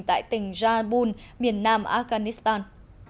tại tỉnh jalbul miền nam afghanistan